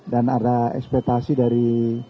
dan ada ekspetasi dari